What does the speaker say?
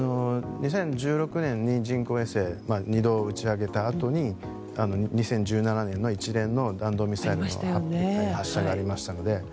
２０１６年に人工衛星を２度打ち上げたあとに２０１７年の一連の弾道ミサイルの発射がありましたので。